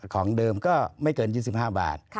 ของเดิมก็ไม่เกิน๒๕บาท